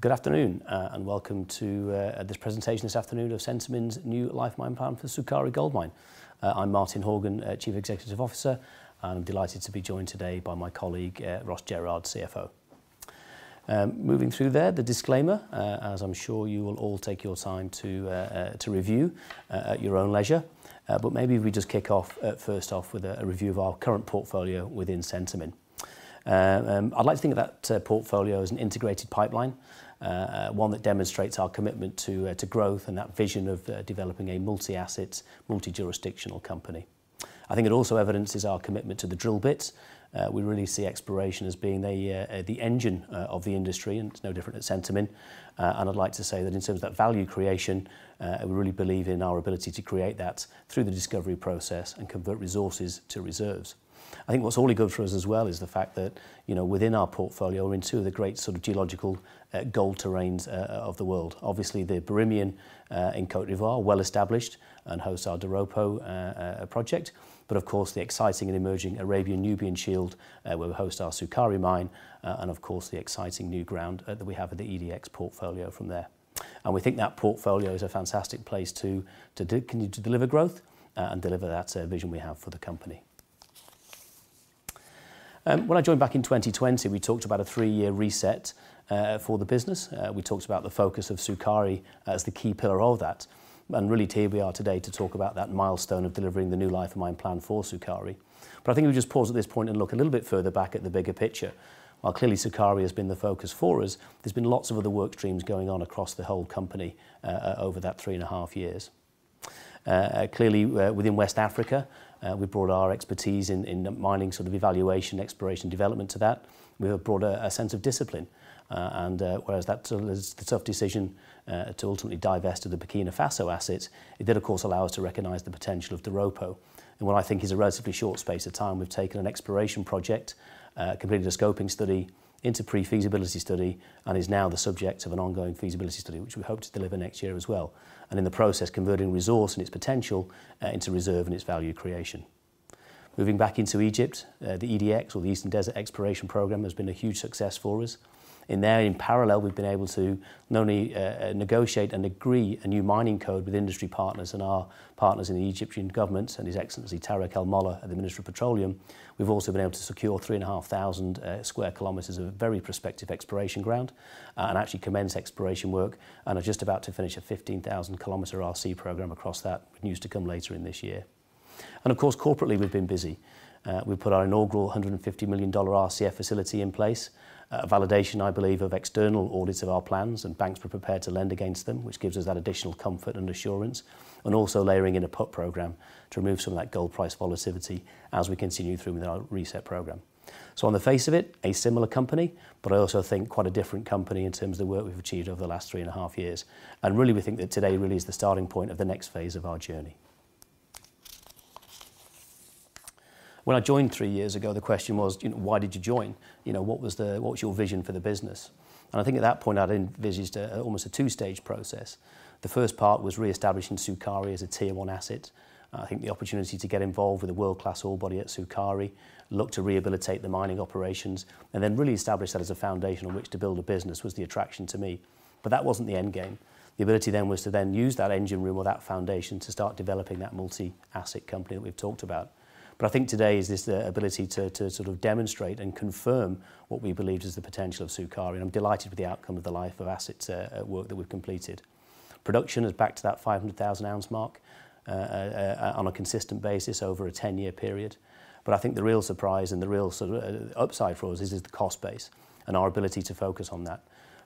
Good afternoon, and welcome to this presentation this afternoon of Centamin's new life mine plan for Sukari Gold Mine. I'm Martin Horgan, Chief Executive Officer, and I'm delighted to be joined today by my colleague, Ross Jerrard, CFO. Moving through there, the disclaimer, as I'm sure you will all take your time to review, at your own leisure. But maybe if we just kick off, first off, with a review of our current portfolio within Centamin. I'd like to think of that portfolio as an integrated pipeline, one that demonstrates our commitment to growth and that vision of developing a multi-asset, multi-jurisdictional company. I think it also evidences our commitment to the drill bit. We really see exploration as being the engine of the industry, and it's no different at Centamin. And I'd like to say that in terms of that value creation, we really believe in our ability to create that through the discovery process and convert resources to reserves. I think what's really good for us as well is the fact that, you know, within our portfolio, we're in two of the great sort of geological gold terrains of the world. Obviously, the Birimian in Côte d'Ivoire, well-established, and hosts our Doropo project, but of course, the exciting and emerging Arabian Nubian Shield will host our Sukari mine, and of course, the exciting new ground that we have at the EDX portfolio from there. And we think that portfolio is a fantastic place to continue to deliver growth, and deliver that vision we have for the company. When I joined back in 2020, we talked about a three- reset for the business. We talked about the focus of Sukari as the key pillar of that. And really, here we are today to talk about that milestone of delivering the new life of mine plan for Sukari. But I think we just pause at this point and look a little bit further back at the bigger picture. While clearly, Sukari has been the focus for us, there's been lots of other work streams going on across the whole company, over that three and a years. Clearly, within West Africa, we brought our expertise in mining, sort of evaluation, exploration, development to that. We have brought a sense of discipline, and whereas that sort of is the tough decision to ultimately divest of the Burkina Faso asset, it did, of course, allow us to recognize the potential of Doropo. In what I think is a relatively short space of time, we've taken an exploration project, completed a scoping study into Pre-Feasibility Study, and is now the subject of an ongoing feasibility study, which we hope to deliver next year as well. And in the process, converting resource and its potential into reserve and its value creation. Moving back into Egypt, the EDX or the Eastern Desert Exploration program has been a huge success for us. In there, in parallel, we've been able to not only negotiate and agree a new mining code with industry partners and our partners in the Egyptian government and His Excellency, Tarek El-Molla, at the Ministry of Petroleum. We've also been able to secure 3,500 sq km of very prospective exploration ground, and actually commence exploration work, and are just about to finish a 15,000 km RC program across that, with news to come later in this year. Of course, corporately, we've been busy. We've put our inaugural $150 million RCF facility in place. A validation, I believe, of external audits of our plans, and banks were prepared to lend against them, which gives us that additional comfort and assurance. Also layering in a put program to remove some of that gold price volatility as we continue through with our reset program. So on the face of it, a similar company, but I also think quite a different company in terms of the work we've achieved over the last 3.5 years. And really, we think that today really is the starting point of the next phase of our journey. When I joined 3 years ago, the question was, you know, "Why did you join?" You know, "What was the-- What's your vision for the business?" And I think at that point, I'd envisaged almost a two-stage process. The first part was reestablishing Sukari as a tier-one asset. I think the opportunity to get involved with a world-class ore body at Sukari, look to rehabilitate the mining operations, and then really establish that as a foundation on which to build a business, was the attraction to me. But that wasn't the end game. The ability then was to then use that engine room or that foundation to start developing that multi-asset company that we've talked about. But I think today is this, ability to sort of demonstrate and confirm what we believed is the potential of Sukari. I'm delighted with the outcome of the life of asset work that we've completed. Production is back to that 500,000 ounce mark, on a consistent basis over a 10-year period. But I think the real surprise and the real sort of, upside for us is the cost base and our ability to focus on that.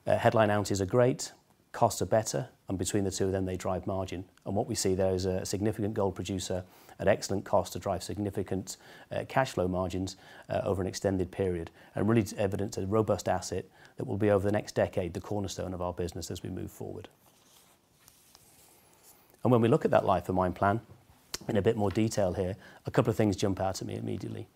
Headline ounces are great, costs are better, and between the two, then they drive margin. And what we see there is a significant gold producer at excellent cost to drive significant cashflow margins over an extended period, and really evidence a robust asset that will be, over the next decade, the cornerstone of our business as we move forward. And when we look at that life of mine plan in a bit more detail here, a couple of things jump out at me immediately.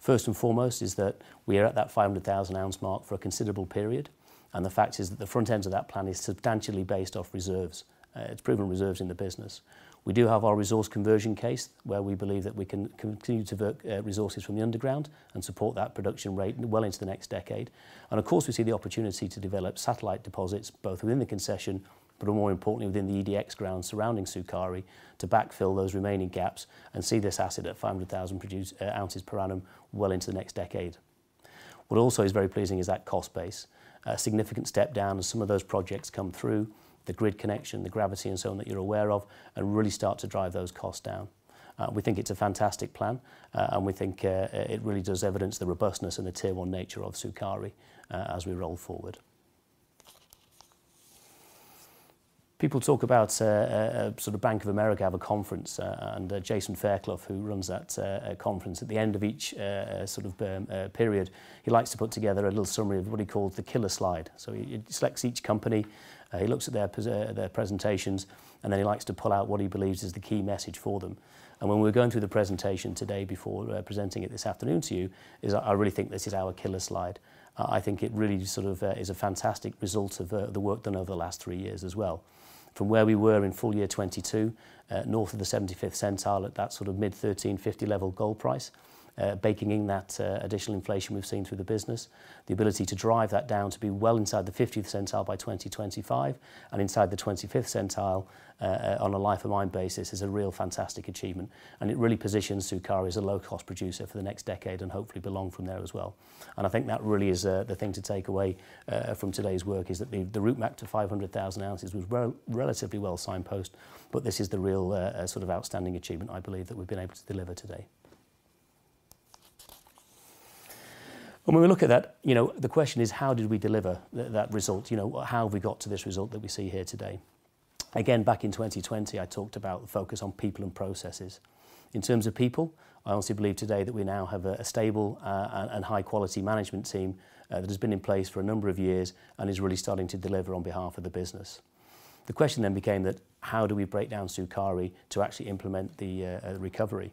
First and foremost, is that we are at that 500,000 ounce mark for a considerable period, and the fact is that the front end of that plan is substantially based off reserves, it's proven reserves in the business. We do have our resource conversion case, where we believe that we can continue to work, resources from the underground and support that production rate well into the next decade. And of course, we see the opportunity to develop satellite deposits, both within the concession, but more importantly, within the EDX grounds surrounding Sukari, to backfill those remaining gaps and see this asset at 500,000 produce ounces per annum well into the next decade. What also is very pleasing is that cost base. A significant step down as some of those projects come through, the grid connection, the gravity, and so on, that you're aware of, and really start to drive those costs down. We think it's a fantastic plan, and we think it really does evidence the robustness and the tier-one nature of Sukari as we roll forward. People talk about sort of Bank of America have a conference, and Jason Fairclough, who runs that conference, at the end of each sort of period, he likes to put together a little summary of what he calls the killer slide. So he selects each company, he looks at their presentations, and then he likes to pull out what he believes is the key message for them. When we're going through the presentation today before presenting it this afternoon to you, is I really think this is our killer slide. I think it really sort of is a fantastic result of the work done over the last three years as well. From where we were in full year 2022, north of the 75th percentile, at that sort of mid-$1,350 level gold price, baking in that additional inflation we've seen through the business. The ability to drive that down to be well inside the 50th percentile by 2025, and inside the 25th percentile, on a life of mine basis, is a real fantastic achievement. It really positions Sukari as a low-cost producer for the next decade, and hopefully belong from there as well. And I think that really is the thing to take away from today's work, is that the route map to 500,000 ounces was relatively well signposted, but this is the real sort of outstanding achievement, I believe, that we've been able to deliver today... And when we look at that, you know, the question is: how did we deliver that result? You know, how have we got to this result that we see here today? Again, back in 2020, I talked about the focus on people and processes. In terms of people, I honestly believe today that we now have a stable and high-quality management team that has been in place for a number of years and is really starting to deliver on behalf of the business. The question then became that how do we break down Sukari to actually implement the recovery?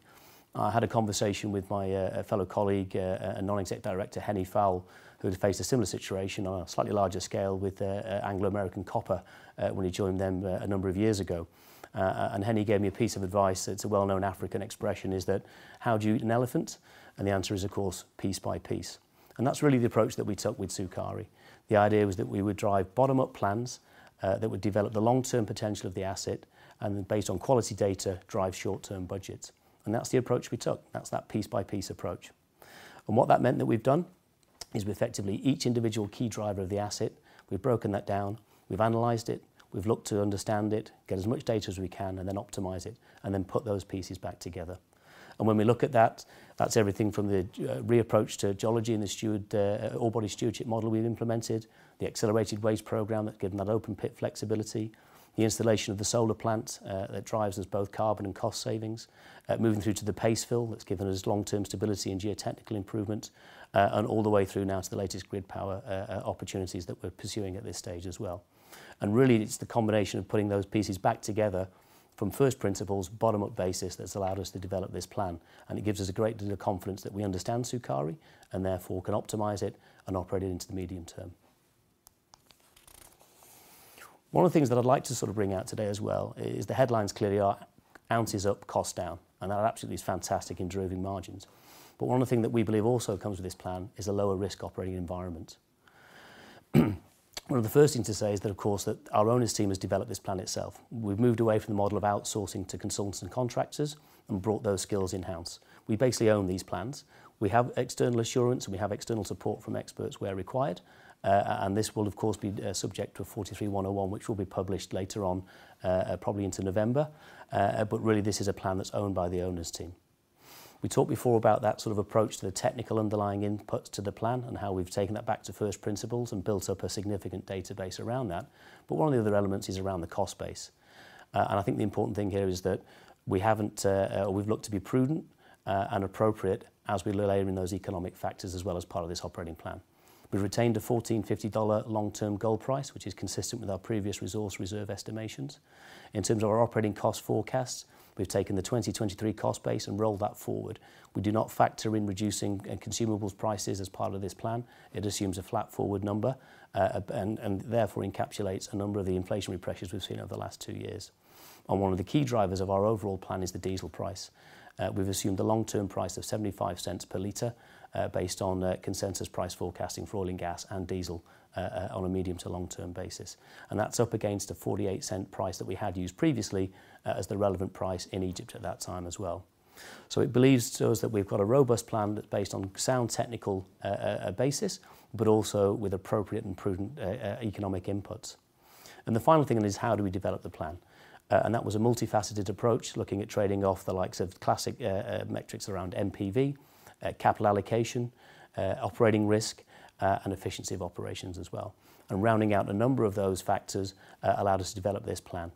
I had a conversation with my fellow colleague, a non-exec director, Hennie Faul, who had faced a similar situation on a slightly larger scale with Anglo American Copper, when he joined them, a number of years ago. And Hennie gave me a piece of advice, it's a well-known African expression, is that: how do you eat an elephant? And the answer is, of course, piece by piece. And that's really the approach that we took with Sukari. The idea was that we would drive bottom-up plans that would develop the long-term potential of the asset, and then, based on quality data, drive short-term budgets. And that's the approach we took. That's that piece-by-piece approach. What that meant that we've done is we effectively each individual key driver of the asset, we've broken that down, we've analyzed it, we've looked to understand it, get as much data as we can, and then optimize it, and then put those pieces back together. When we look at that, that's everything from the reapproach to geology and the ore body stewardship model we've implemented, the accelerated waste program that's given that open pit flexibility, the installation of the solar plant that drives us both carbon and cost savings, moving through to the paste fill that's given us long-term stability and geotechnical improvement, and all the way through now to the latest grid power opportunities that we're pursuing at this stage as well. Really, it's the combination of putting those pieces back together from first principles, bottom-up basis, that's allowed us to develop this plan, and it gives us a great deal of confidence that we understand Sukari and therefore can optimize it and operate it into the medium term. One of the things that I'd like to sort of bring out today as well is the headlines clearly are: ounces up, cost down, and that absolutely is fantastic in driving margins. But one of the things that we believe also comes with this plan is a lower-risk operating environment. One of the first things to say is that, of course, that our owners' team has developed this plan itself. We've moved away from the model of outsourcing to consultants and contractors and brought those skills in-house. We basically own these plans. We have external assurance, and we have external support from experts where required, and this will, of course, be subject to 43-101, which will be published later on, probably into November. But really, this is a plan that's owned by the owners' team. We talked before about that sort of approach to the technical underlying inputs to the plan and how we've taken that back to first principles and built up a significant database around that, but one of the other elements is around the cost base. And I think the important thing here is that we haven't... we've looked to be prudent, and appropriate as we layer in those economic factors, as well as part of this operating plan. We've retained a $1,450 long-term gold price, which is consistent with our previous resource reserve estimations. In terms of our operating cost forecast, we've taken the 2023 cost base and rolled that forward. We do not factor in reducing consumables prices as part of this plan. It assumes a flat forward number and therefore encapsulates a number of the inflationary pressures we've seen over the last two years. One of the key drivers of our overall plan is the diesel price. We've assumed a long-term price of $0.75 per liter based on consensus price forecasting for oil and gas and diesel on a medium to long-term basis. That's up against a $0.48 price that we had used previously as the relevant price in Egypt at that time as well. So it believes to us that we've got a robust plan that's based on sound technical a basis, but also with appropriate and prudent economic inputs. The final thing then is: how do we develop the plan? and that was a multifaceted approach, looking at trading off the likes of classic metrics around NPV, capital allocation, operating risk, and efficiency of operations as well. Rounding out a number of those factors allowed us to develop this plan.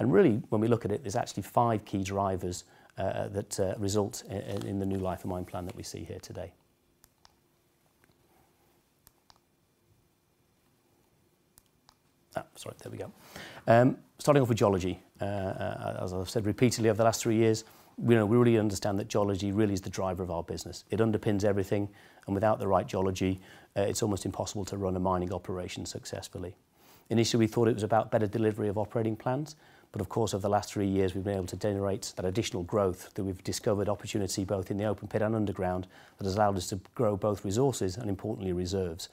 Really, when we look at it, there's actually five key drivers that result in the new life of mine plan that we see here today. Ah, sorry, there we go. Starting off with geology. As I've said repeatedly over the last three years, we know we really understand that geology really is the driver of our business. It underpins everything, and without the right geology, it's almost impossible to run a mining operation successfully. Initially, we thought it was about better delivery of operating plans, but of course, over the last three years, we've been able to generate that additional growth, that we've discovered opportunity both in the open pit and underground, that has allowed us to grow both resources and, importantly, reserves,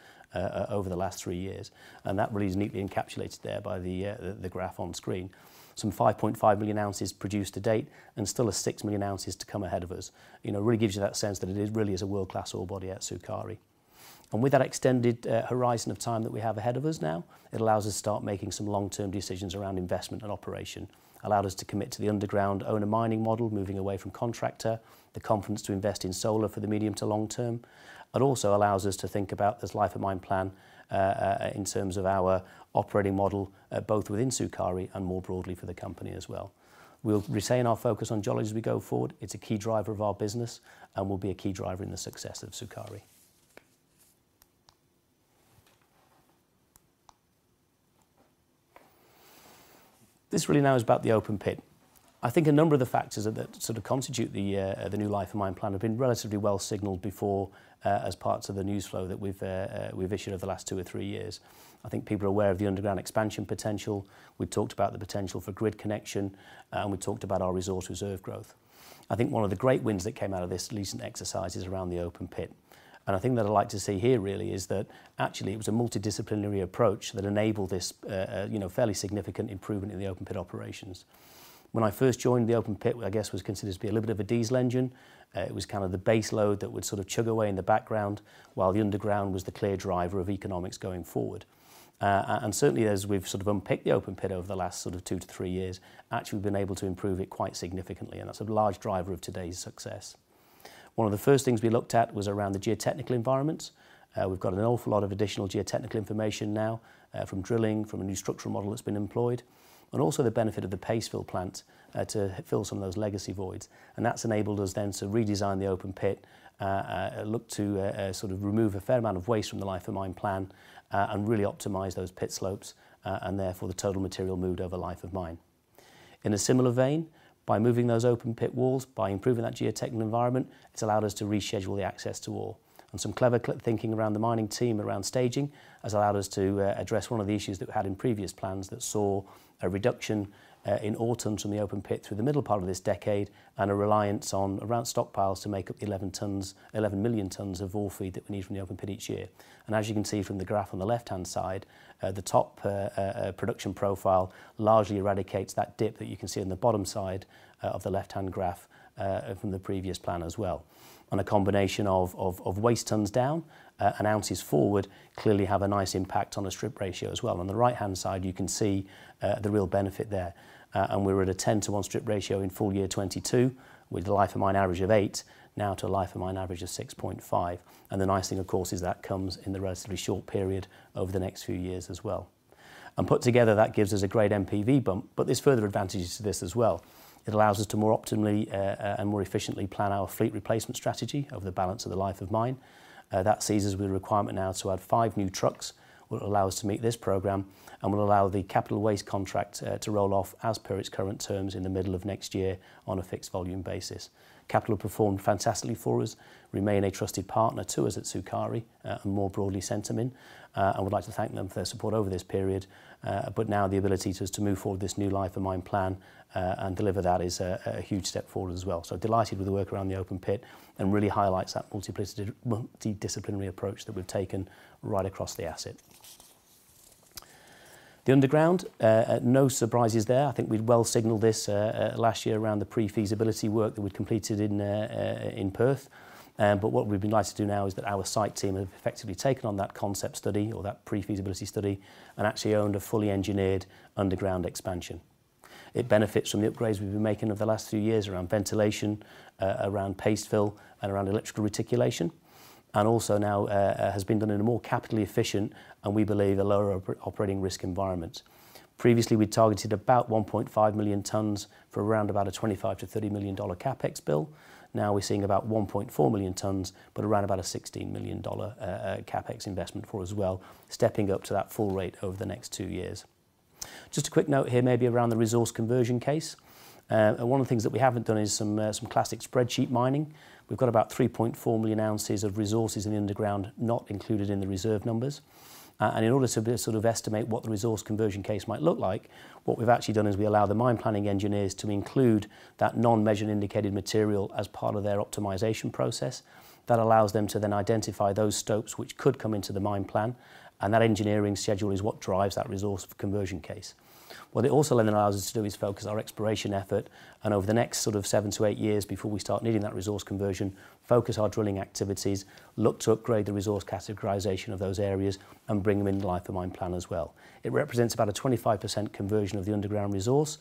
over the last three years. And that really is neatly encapsulated there by the graph on screen. 5.5 million ounces produced to date and still 6 million ounces to come ahead of us. You know, it really gives you that sense that it is really is a world-class ore body at Sukari. And with that extended, horizon of time that we have ahead of us now, it allows us to start making some long-term decisions around investment and operation, allowed us to commit to the underground owner mining model, moving away from contractor, the confidence to invest in solar for the medium to long term, and also allows us to think about this life of mine plan, in terms of our operating model, both within Sukari and more broadly for the company as well. We'll retain our focus on geology as we go forward. It's a key driver of our business and will be a key driver in the success of Sukari. This really now is about the open pit. I think a number of the factors that sort of constitute the new life of mine plan have been relatively well signaled before as parts of the news flow that we've issued over the last two or three years. I think people are aware of the underground expansion potential. We've talked about the potential for grid connection, and we talked about our resource reserve growth. I think one of the great wins that came out of this recent exercise is around the open pit, and I think what I'd like to say here, really, is that actually, it was a multidisciplinary approach that enabled this you know fairly significant improvement in the open pit operations. When I first joined, the open pit, I guess, was considered to be a little bit of a diesel engine. It was kind of the base load that would sort of chug away in the background, while the underground was the clear driver of economics going forward. And certainly, as we've sort of unpicked the open pit over the last sort of 2-3 years, actually, we've been able to improve it quite significantly, and that's a large driver of today's success. One of the first things we looked at was around the geotechnical environments. We've got an awful lot of additional geotechnical information now, from drilling, from a new structural model that's been employed, and also the benefit of the paste fill plant, to fill some of those legacy voids. And that's enabled us then to redesign the open pit, look to sort of remove a fair amount of waste from the life of mine plan, and really optimize those pit slopes, and therefore, the total material moved over life of mine. In a similar vein, by moving those open pit walls, by improving that geotechnical environment, it's allowed us to reschedule the access to ore. And some clever thinking around the mining team around staging has allowed us to address one of the issues that we had in previous plans that saw a reduction in ore tons from the open pit through the middle part of this decade, and a reliance on around stockpiles to make up 11 million tons of ore feed that we need from the open pit each year. As you can see from the graph on the left-hand side, the top production profile largely eradicates that dip that you can see on the bottom side of the left-hand graph from the previous plan as well. On a combination of waste tons down and ounces forward, clearly have a nice impact on the strip ratio as well. On the right-hand side, you can see the real benefit there. And we're at a 10-to-1 strip ratio in full year 2022, with the life-of-mine average of 8, now to a life-of-mine average of 6.5. And the nice thing, of course, is that comes in the relatively short period over the next few years as well. Put together, that gives us a great NPV bump, but there's further advantages to this as well. It allows us to more optimally and more efficiently plan our fleet replacement strategy over the balance of the life of mine. That seizes with a requirement now to add 5 new trucks, will allow us to meet this program, and will allow the capital waste contract to roll off as per its current terms in the middle of next year on a fixed volume basis. Capital performed fantastically for us, remain a trusted partner to us at Sukari, and more broadly, Centamin. I would like to thank them for their support over this period, but now the ability to move forward this new life of mine plan and deliver that is a huge step forward as well. So delighted with the work around the open pit, and really highlights that multidisciplinary approach that we've taken right across the asset. The underground, no surprises there. I think we've well signaled this, last year around the pre-feasibility work that we completed in, in Perth. But what we'd like to do now is that our site team have effectively taken on that concept study or that pre-feasibility study, and actually owned a fully engineered underground expansion. It benefits from the upgrades we've been making over the last few years around ventilation, around paste fill, and around electrical reticulation, and also now, has been done in a more capitally efficient, and we believe, a lower operating risk environment. Previously, we targeted about 1.5 million tons for around about a $25 million-$30 million CapEx bill. Now, we're seeing about 1.4 million tons, but around about a $16 million CapEx investment for as well, stepping up to that full rate over the next two years. Just a quick note here, maybe around the resource conversion case. One of the things that we haven't done is some classic spreadsheet mining. We've got about 3.4 million ounces of resources in the underground, not included in the reserve numbers. In order to sort of estimate what the resource conversion case might look like, what we've actually done is we allow the mine planning engineers to include that non-measured indicated material as part of their optimization process. That allows them to then identify those stopes which could come into the mine plan, and that engineering schedule is what drives that resource conversion case. What it also then allows us to do is focus our exploration effort, and over the next sort of 7-8 years before we start needing that resource conversion, focus our drilling activities, look to upgrade the resource categorization of those areas, and bring them in the life of mine plan as well. It represents about a 25% conversion of the underground resource,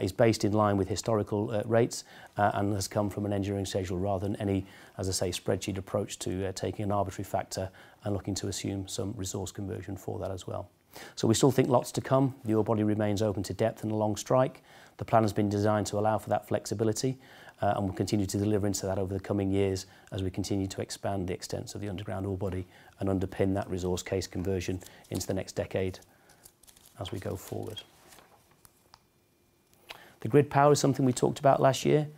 is in line with historical rates, and has come from an engineering schedule rather than any, as I say, spreadsheet approach to taking an arbitrary factor and looking to assume some resource conversion for that as well. So we still think lots to come. The ore body remains open to depth and along strike. The plan has been designed to allow for that flexibility, and we continue to deliver into that over the coming years as we continue to expand the extents of the underground ore body and underpin that resource case conversion into the next decade as we go forward. The grid power is something we talked about last year.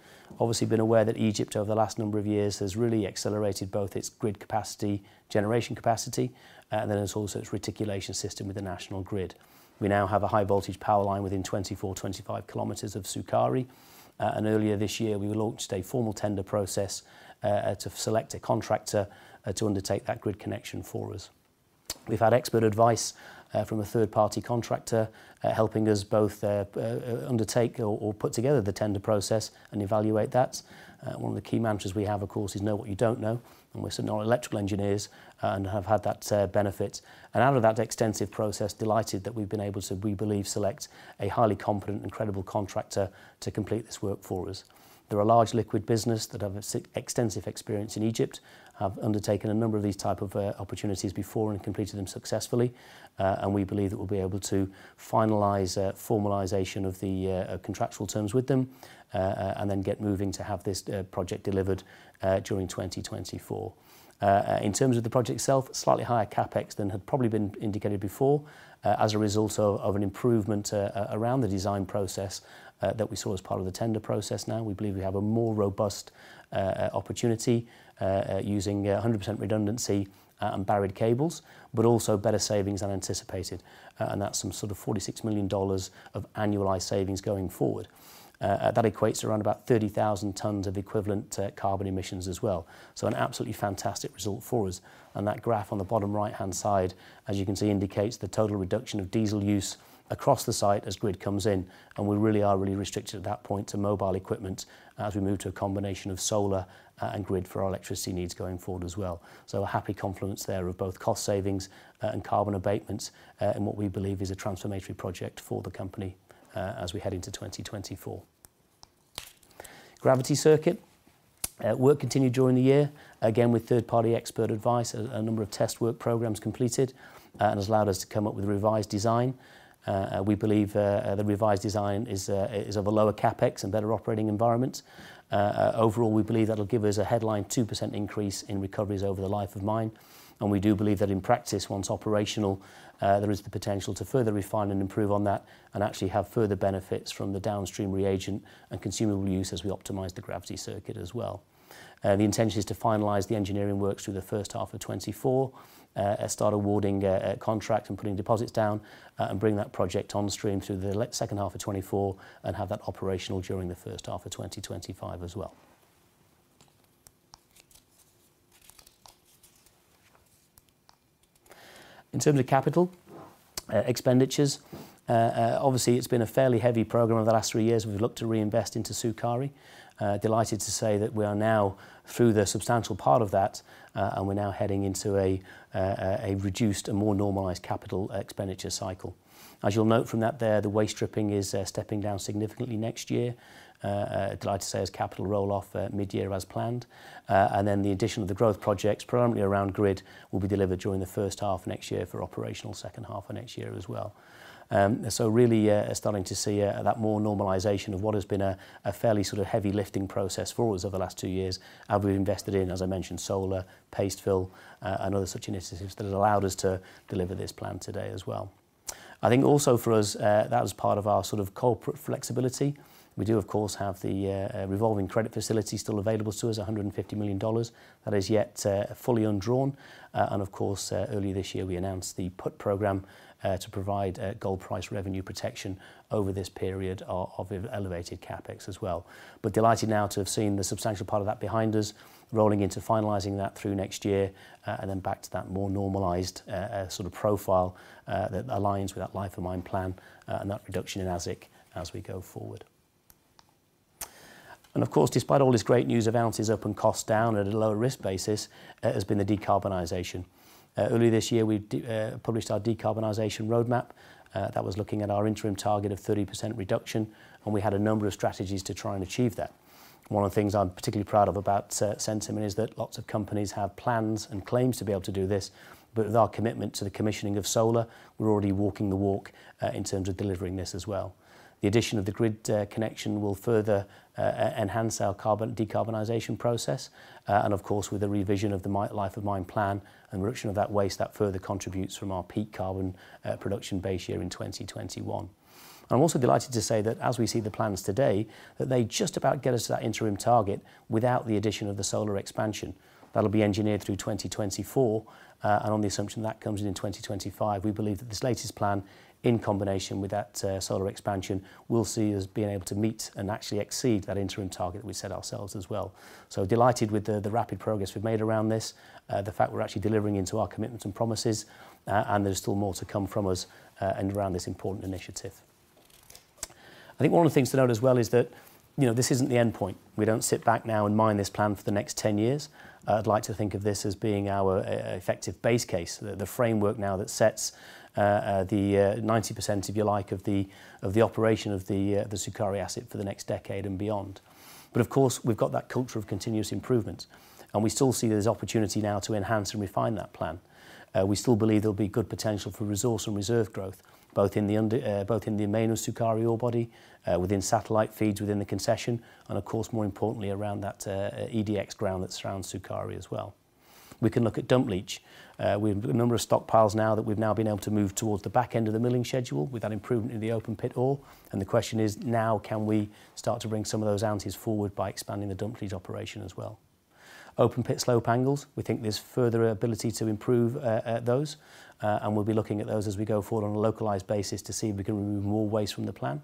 Obviously, been aware that Egypt, over the last number of years, has really accelerated both its grid capacity, generation capacity, and then it's also its reticulation system with the national grid. We now have a high voltage power line within 24-25 kilometers of Sukari. And earlier this year, we launched a formal tender process to select a contractor to undertake that grid connection for us. We've had expert advice from a third-party contractor helping us both undertake or put together the tender process and evaluate that. One of the key mantras we have, of course, is know what you don't know, and we're sort of non-electrical engineers and have had that benefit. And out of that extensive process, delighted that we've been able to, we believe, select a highly competent and credible contractor to complete this work for us. They're a large liquid business that have extensive experience in Egypt, have undertaken a number of these type of opportunities before and completed them successfully. And we believe that we'll be able to finalize formalization of the contractual terms with them and then get moving to have this project delivered during 2024. In terms of the project itself, slightly higher CapEx than had probably been indicated before, as a result of an improvement around the design process that we saw as part of the tender process. Now, we believe we have a more robust opportunity using 100% redundancy and buried cables, but also better savings than anticipated, and that's some sort of $46 million of annualized savings going forward. That equates to around about 30,000 tons of equivalent carbon emissions as well. So an absolutely fantastic result for us. That graph on the bottom right-hand side, as you can see, indicates the total reduction of diesel use across the site as grid comes in, and we really are really restricted at that point to mobile equipment as we move to a combination of solar, and grid for our electricity needs going forward as well. So a happy confluence there of both cost savings, and carbon abatements, in what we believe is a transformatory project for the company, as we head into 2024. Gravity circuit work continued during the year, again, with third-party expert advice. A number of test work programs completed, and has allowed us to come up with a revised design. We believe the revised design is of a lower CapEx and better operating environment. Overall, we believe that'll give us a headline 2% increase in recoveries over the life of mine, and we do believe that in practice, once operational, there is the potential to further refine and improve on that and actually have further benefits from the downstream reagent and consumable use as we optimize the gravity circuit as well. The intention is to finalize the engineering works through the H1 of 2024, and start awarding a contract and putting deposits down, and bring that project on stream through the H2 of 2024, and have that operational during the H1 of 2025 as well. In terms of capital expenditures, obviously, it's been a fairly heavy program over the last three years. We've looked to reinvest into Sukari. Delighted to say that we are now through the substantial part of that, and we're now heading into a reduced and more normalized capital expenditure cycle. As you'll note from that there, the waste stripping is stepping down significantly next year. Delighted to say as capital roll-off mid-year as planned, and then the addition of the growth projects, primarily around grid, will be delivered during the first H1 of next year for operational H2 of next year as well. So really, starting to see that more normalization of what has been a fairly sort of heavy lifting process for us over the last two years, as we've invested in, as I mentioned, solar, paste fill, and other such initiatives that have allowed us to deliver this plan today as well. I think also for us, that was part of our sort of corporate flexibility. We do, of course, have the revolving credit facility still available to us, $150 million. That is yet fully undrawn, and of course, earlier this year, we announced the put program to provide gold price revenue protection over this period of elevated CapEx as well. But delighted now to have seen the substantial part of that behind us, rolling into finalizing that through next year, and then back to that more normalized sort of profile that aligns with that life of mine plan, and that reduction in AISC as we go forward. And of course, despite all this great news of ounces up and cost down at a lower risk basis, has been the decarbonization. Earlier this year, we published our decarbonization roadmap. That was looking at our interim target of 30% reduction, and we had a number of strategies to try and achieve that. One of the things I'm particularly proud of about Centamin is that lots of companies have plans and claims to be able to do this, but with our commitment to the commissioning of solar, we're already walking the walk in terms of delivering this as well. The addition of the grid connection will further enhance our decarbonization process, and of course, with the revision of the life of mine plan and reduction of that waste, that further contributes from our peak carbon production base year in 2021. I'm also delighted to say that as we see the plans today, that they just about get us to that interim target without the addition of the solar expansion. That'll be engineered through 2024, and on the assumption that comes in in 2025, we believe that this latest plan, in combination with that, solar expansion, will see us being able to meet and actually exceed that interim target we set ourselves as well. So delighted with the rapid progress we've made around this, the fact we're actually delivering into our commitments and promises, and there's still more to come from us, and around this important initiative. I think one of the things to note as well is that, you know, this isn't the end point. We don't sit back now and mine this plan for the next 10 years. I'd like to think of this as being our effective base case, the framework now that sets 90%, if you like, of the operation of the Sukari asset for the next decade and beyond. But of course, we've got that culture of continuous improvement, and we still see there's opportunity now to enhance and refine that plan. We still believe there'll be good potential for resource and reserve growth, both in the underground, both in the main of Sukari ore body within satellite feeds within the concession, and of course, more importantly, around that EDX ground that surrounds Sukari as well. We can look at dump leach. We've a number of stockpiles now that we've now been able to move towards the back end of the milling schedule with that improvement in the open-pit ore, and the question is, now, can we start to bring some of those ounces forward by expanding the dump leach operation as well? Open-pit slope angles, we think there's further ability to improve those, and we'll be looking at those as we go forward on a localized basis to see if we can remove more waste from the plan.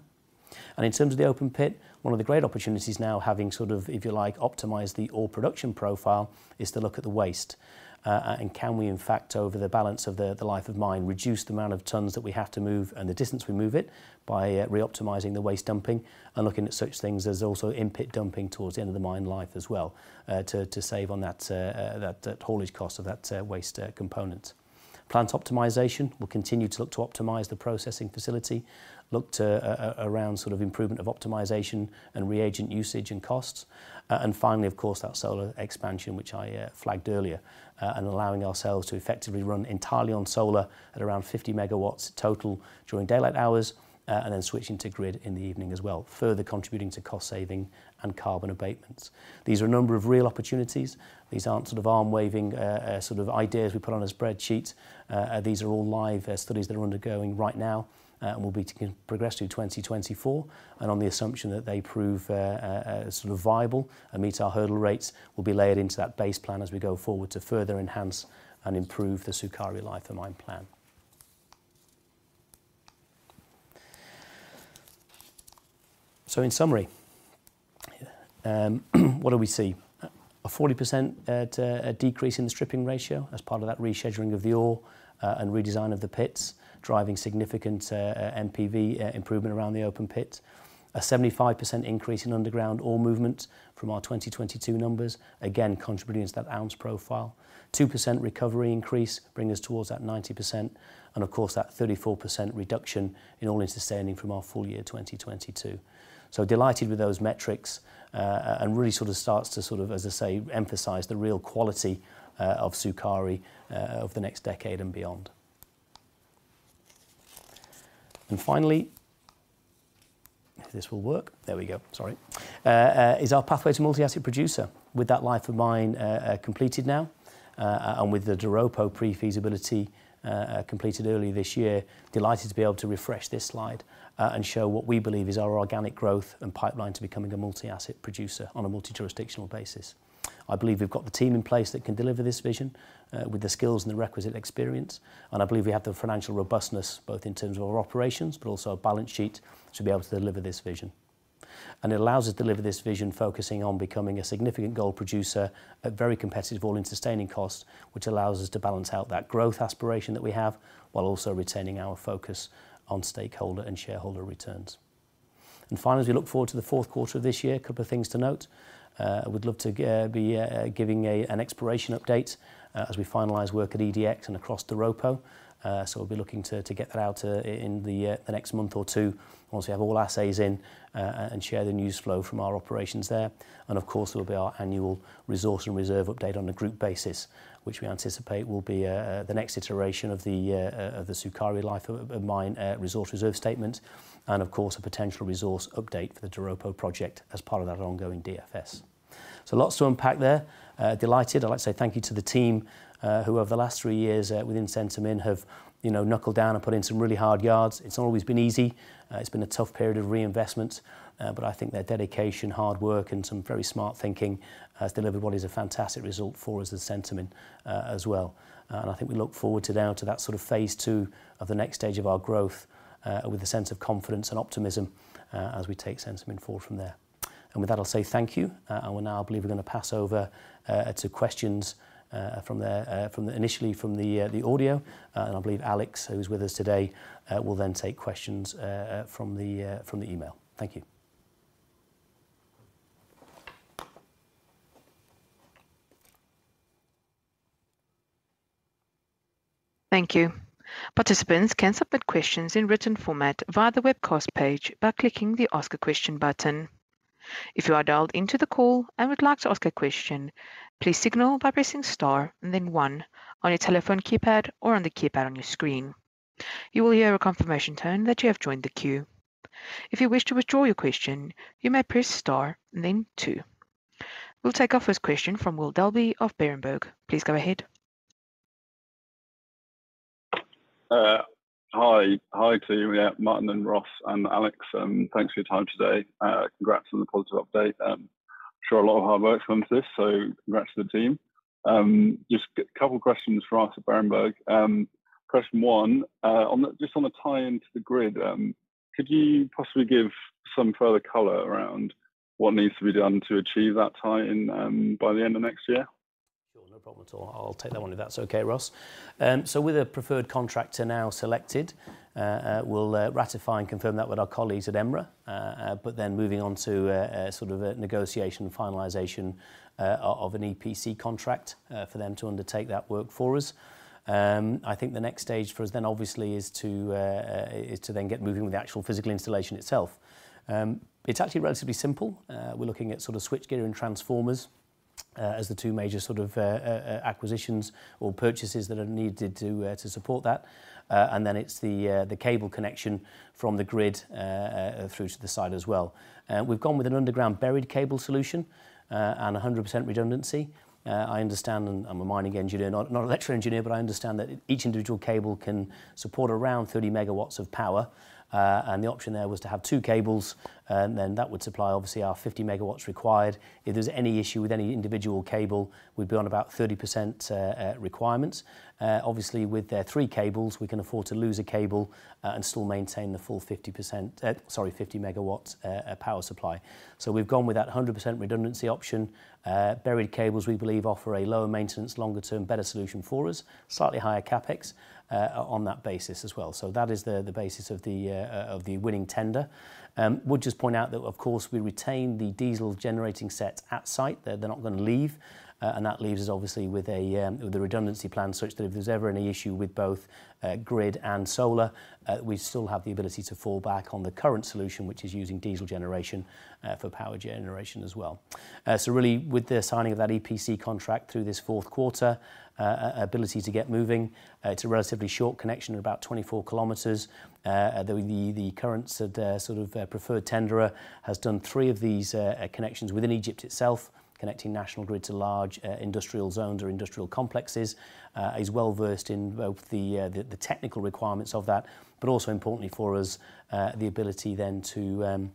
And in terms of the open pit, one of the great opportunities now, having sort of, if you like, optimized the ore production profile, is to look at the waste, and can we, in fact, over the balance of the life of mine, reduce the amount of tons that we have to move and the distance we move it by reoptimizing the waste dumping and looking at such things as also in-pit dumping towards the end of the mine life as well, to save on that haulage cost of that waste component. Plant optimization, we'll continue to look to optimize the processing facility, look around sort of improvement of optimization and reagent usage and costs. And finally, of course, that solar expansion, which I flagged earlier, and allowing ourselves to effectively run entirely on solar at around 50 total during daylight hours, and then switching to grid in the evening as well, further contributing to cost saving and carbon abatement. These are a number of real opportunities. These aren't sort of arm-waving sort of ideas we put on a spreadsheet. These are all live studies that are undergoing right now, and will be to progress through 2024, and on the assumption that they prove sort of viable and meet our hurdle rates, will be layered into that base plan as we go forward to further enhance and improve the Sukari life of mine plan. So in summary, what do we see? A 40% decrease in the stripping ratio as part of that rescheduling of the ore and redesign of the pits, driving significant NPV improvement around the open pits. A 75% increase in underground ore movement from our 2022 numbers, again, contributing to that ounce profile. 2% recovery increase, bring us towards that 90%, and of course, that 34% reduction in all-in sustaining from our full year 2022. So delighted with those metrics, and really sort of starts to sort of, as I say, emphasize the real quality of Sukari over the next decade and beyond. And finally, if this will work. There we go. Sorry. is our pathway to multi-asset producer. With that life of mine completed now, and with the Doropo pre-feasibility completed earlier this year, delighted to be able to refresh this slide, and show what we believe is our organic growth and pipeline to becoming a multi-asset producer on a multi-jurisdictional basis. I believe we've got the team in place that can deliver this vision, with the skills and the requisite experience, and I believe we have the financial robustness, both in terms of our operations, but also our balance sheet, to be able to deliver this vision. It allows us to deliver this vision, focusing on becoming a significant gold producer at very competitive all-in sustaining cost, which allows us to balance out that growth aspiration that we have, while also retaining our focus on stakeholder and shareholder returns. Finally, as we look forward to the Q4of this year, a couple of things to note. We'd love to be giving an exploration update as we finalize work at EDX and across Doropo. So we'll be looking to get that out in the next month or two. Once we have all assays in, and share the news flow from our operations there. And, of course, there'll be our annual resource and reserve update on a group basis, which we anticipate will be the next iteration of the Sukari life of mine resource reserve statement, and of course, a potential resource update for the Doropo project as part of that ongoing DFS. So lots to unpack there. Delighted. I'd like to say thank you to the team, who, over the last three years, within Centamin, have, you know, knuckled down and put in some really hard yards. It's not always been easy. It's been a tough period of reinvestment, but I think their dedication, hard work, and some very smart thinking has delivered what is a fantastic result for us as Centamin, as well. And I think we look forward to now to that sort of phase two of the next stage of our growth, with a sense of confidence and optimism, as we take Centamin forward from there. And with that, I'll say thank you. And we're now, I believe, we're gonna pass over, to questions, from the, from the... initially from the, the audio. I believe Alex, who is with us today, will then take questions from the email. Thank you. Thank you. Participants can submit questions in written format via the webcast page by clicking the Ask a Question button. If you are dialed into the call and would like to ask a question, please signal by pressing star and then one on your telephone keypad or on the keypad on your screen. You will hear a confirmation tone that you have joined the queue. If you wish to withdraw your question, you may press star, then two. We'll take our first question from Will Dalby of Berenberg. Please go ahead. Hi. Hi to you, Martin and Ross and Alex, thanks for your time today. Congrats on the positive update. I'm sure a lot of hard work went into this, so congrats to the team. Just a couple of questions for us at Berenberg. Question one, on the, just on the tie into the grid, could you possibly give some further color around what needs to be done to achieve that tie-in, by the end of next year? Sure, no problem at all. I'll take that one, if that's okay, Ross. So with a preferred contractor now selected, we'll ratify and confirm that with our colleagues at EMRA. But then moving on to a sort of negotiation and finalization of an EPC contract for them to undertake that work for us. I think the next stage for us then, obviously, is to get moving with the actual physical installation itself. It's actually relatively simple. We're looking at sort of switchgear and transformers as the two major sort of acquisitions or purchases that are needed to support that. And then it's the cable connection from the grid through to the site as well. We've gone with an underground buried cable solution, and 100% redundancy. I understand, and I'm a mining engineer, not, not an electrical engineer, but I understand that each individual cable can support around 30 MW of power. And the option there was to have 2 cables, and then that would supply, obviously, our 50 MW required. If there's any issue with any individual cable, we'd be on about 30% requirements. Obviously, with the 3 cables, we can afford to lose a cable, and still maintain the full 50%, sorry, 50 MW power supply. So we've gone with that 100% redundancy option. Buried cables, we believe, offer a lower maintenance, longer-term, better solution for us, slightly higher CapEx, on that basis as well. So that is the basis of the winning tender. Would just point out that, of course, we retain the diesel generating sets at site. They're not gonna leave, and that leaves us, obviously, with a redundancy plan such that if there's ever any issue with both grid and solar, we still have the ability to fall back on the current solution, which is using diesel generation for power generation as well. So really, with the signing of that EPC contract through this Q4, ability to get moving, it's a relatively short connection of about 24 km. The current sort of preferred tenderer has done three of these connections within Egypt itself, connecting national grid to large industrial zones or industrial complexes. is well-versed in both the, the technical requirements of that, but also importantly for us, the ability then to,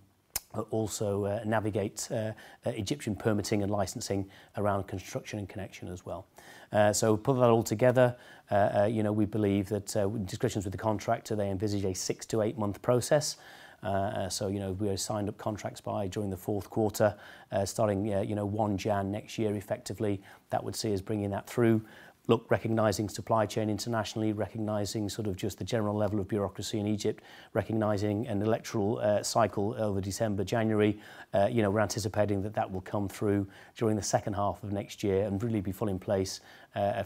also, navigate Egyptian permitting and licensing around construction and connection as well. So putting that all together, you know, we believe that, with discussions with the contractor, they envisage a 6- to 8-month process. So, you know, we have signed up contracts by during the Q4, starting, you know, 1 January next year, effectively, that would see us bringing that through. Look, recognizing supply chain internationally, recognizing sort of just the general level of bureaucracy in Egypt, recognizing an electoral cycle over December, January, you know, we're anticipating that that will come through during the H2 of next year and really be fully in place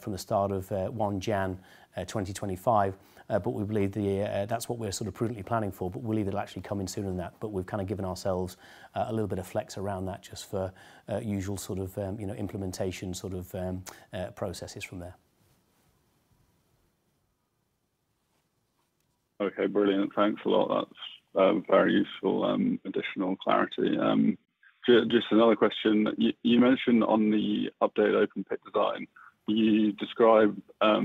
from the start of 1 January 2025. But we believe the, that's what we're sort of prudently planning for, but we'll either actually come in sooner than that, but we've kind of given ourselves a little bit of flex around that just for usual sort of, you know, implementation, sort of processes from there. Okay, brilliant. Thanks a lot. That's very useful additional clarity. Just another question. You mentioned on the updated open pit design, you described what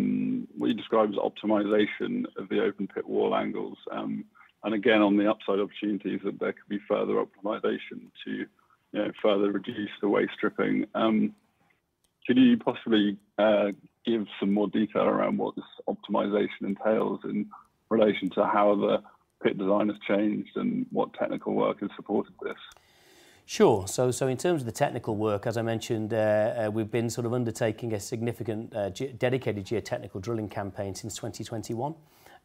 you described as optimization of the open pit wall angles. And again, on the upside opportunities, that there could be further optimization to, you know, further reduce the waste stripping. Could you possibly give some more detail around what this optimization entails in relation to how the pit design has changed and what technical work has supported this? Sure. So in terms of the technical work, as I mentioned, we've been sort of undertaking a significant dedicated geotechnical drilling campaign since 2021.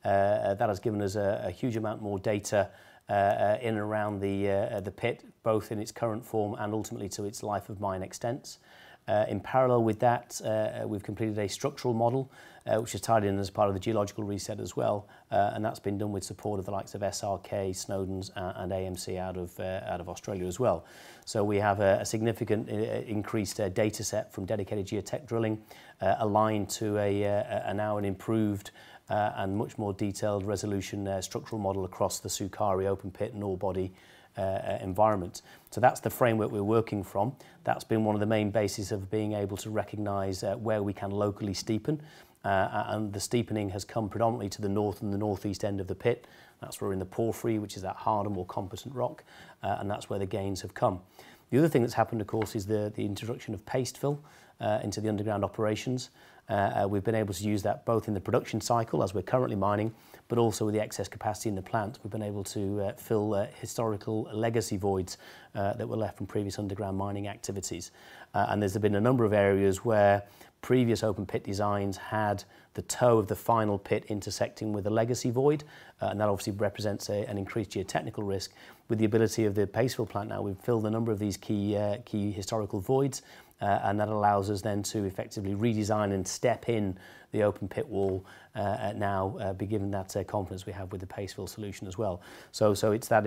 That has given us a huge amount more data in and around the pit, both in its current form and ultimately to its life of mine extents. In parallel with that, we've completed a structural model, which is tied in as part of the geological reset as well, and that's been done with support of the likes of SRK, Snowden, and AMC out of Australia as well. So we have a significant increased data set from dedicated geotech drilling, aligned to a now an improved and much more detailed resolution structural model across the Sukari open pit and ore body environment. So that's the framework we're working from. That's been one of the main bases of being able to recognize where we can locally steepen, and the steepening has come predominantly to the north and the northeast end of the pit. That's where we're in the porphyry, which is that harder, more competent rock, and that's where the gains have come. The other thing that's happened, of course, is the introduction of Paste Fill into the underground operations. We've been able to use that both in the production cycle as we're currently mining, but also with the excess capacity in the plant. We've been able to fill historical legacy voids that were left from previous underground mining activities. There's been a number of areas where previous open pit designs had the toe of the final pit intersecting with a legacy void, and that obviously represents an increased geotechnical risk. With the ability of the paste fill plant now, we've filled a number of these key historical voids, and that allows us then to effectively redesign and step in the open pit wall, now, given that confidence we have with the paste fill solution as well. So, so it's that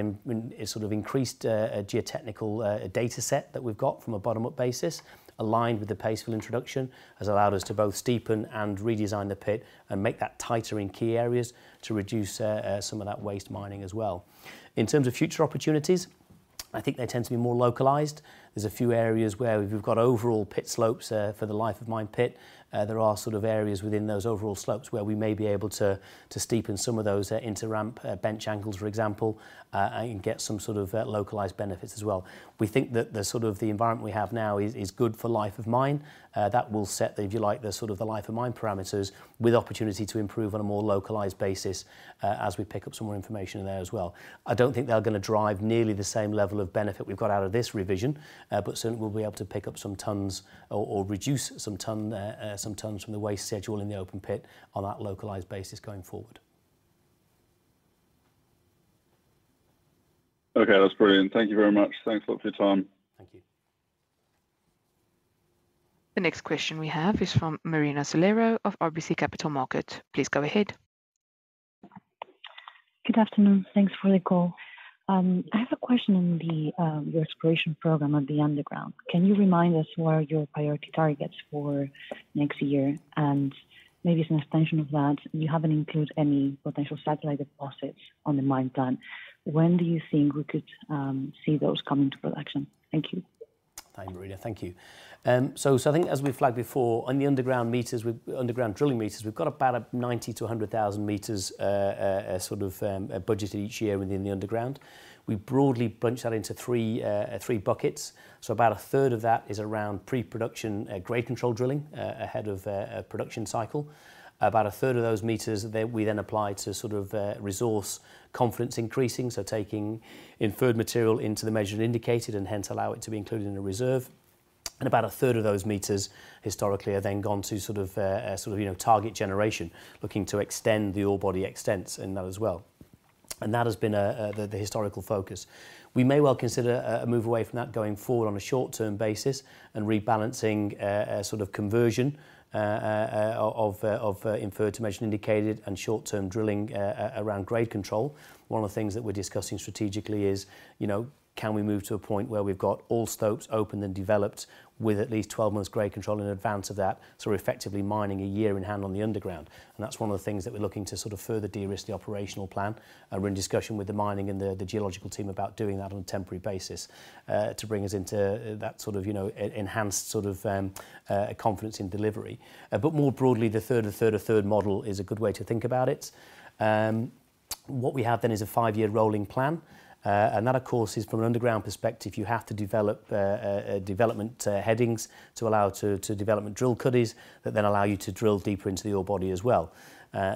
sort of increased a geotechnical data set that we've got from a bottom-up basis, aligned with the Paste Fill introduction, has allowed us to both steepen and redesign the pit and make that tighter in key areas to reduce some of that waste mining as well. In terms of future opportunities, I think they tend to be more localized. There's a few areas where we've got overall pit slopes for the Life of Mine pit. There are sort of areas within those overall slopes where we may be able to steepen some of those into ramp bench angles, for example, and get some sort of localized benefits as well. We think that the sort of the environment we have now is good for Life of Mine. That will set the, if you like, sort of the life of mine parameters, with opportunity to improve on a more localized basis, as we pick up some more information in there as well. I don't think they are gonna drive nearly the same level of benefit we've got out of this revision, but soon we'll be able to pick up some tonnes or reduce some tonnes from the waste schedule in the open pit on that localized basis going forward. Okay, that's brilliant. Thank you very much. Thanks a lot for your time. Thank you. The next question we have is from Marina Calero of RBC Capital Markets. Please go ahead. Good afternoon. Thanks for the call. I have a question on the your exploration program on the underground. Can you remind us what are your priority targets for next year? And maybe as an extension of that, you haven't included any potential satellite deposits on the mine plan. When do you think we could see those come into production? Thank you. Hi, Marina. Thank you. I think as we flagged before, on the underground meters, with underground drilling meters, we've got about 90-100,000 meters sort of budgeted each year within the underground. We broadly bunch that into three, three buckets. About a third of that is around pre-production, grade control drilling ahead of a production cycle. About a third of those meters, we then apply to sort of resource confidence increasing, so taking inferred material into the measured indicated and hence allow it to be included in a reserve. About a third of those meters, historically, have then gone to sort of, you know, target generation, looking to extend the ore body extents in that as well. That has been the historical focus. We may well consider a move away from that going forward on a short-term basis and rebalancing a sort of conversion of inferred to measured indicated and short-term drilling around grade control. One of the things that we're discussing strategically is, you know, can we move to a point where we've got all stopes open and developed with at least 12 months grade control in advance of that, so we're effectively mining a year in hand on the underground? That's one of the things that we're looking to sort of further de-risk the operational plan. We're in discussion with the mining and the geological team about doing that on a temporary basis to bring us into that sort of, you know, enhanced sort of confidence in delivery. But more broadly, the third model is a good way to think about it. What we have then is a five-year rolling plan, and that, of course, is from an underground perspective. You have to develop development headings to allow development drill cut-offs, that then allow you to drill deeper into the ore body as well.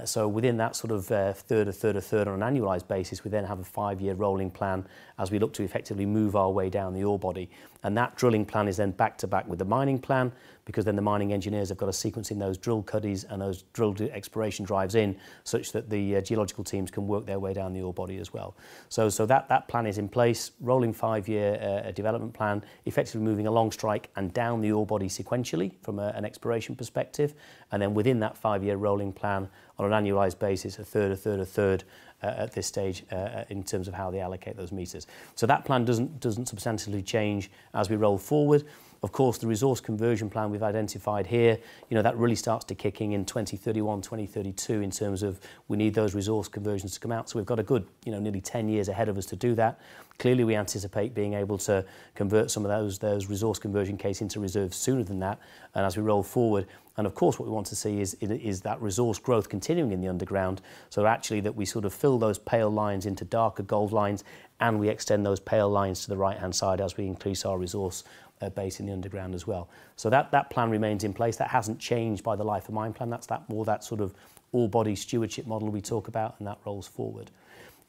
So within that sort of third on an annualized basis, we then have a five-year rolling plan as we look to effectively move our way down the ore body. That drilling plan is then back-to-back with the mining plan, because then the mining engineers have got to sequence in those drill cuddies and those drill to exploration drives in, such that the geological teams can work their way down the ore body as well. So that plan is in place, a rolling 5-year development plan, effectively moving along strike and down the ore body sequentially from an exploration perspective, and then within that 5-year rolling plan, on an annualized basis, a third, a third, a third, at this stage, in terms of how they allocate those meters. So that plan doesn't substantially change as we roll forward. Of course, the resource conversion plan we've identified here, you know, that really starts to kicking in 2031, 2032, in terms of we need those resource conversions to come out. So we've got a good, you know, nearly ten years ahead of us to do that. Clearly, we anticipate being able to convert some of those resource conversion case into reserves sooner than that, and as we roll forward, and of course, what we want to see is that resource growth continuing in the underground. So actually, that we sort of fill those pale lines into darker gold lines, and we extend those pale lines to the right-hand side as we increase our resource base in the underground as well. So that plan remains in place. That hasn't changed by the life of mine plan. That's that more, that sort of ore body stewardship model we talk about, and that rolls forward.